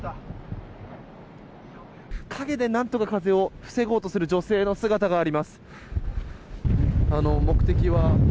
陰で何とか影を防ごうとする女性の姿があります。